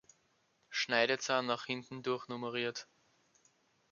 Schneidezahn nach hinten durchnummeriert.